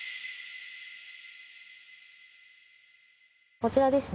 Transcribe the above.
こちらですね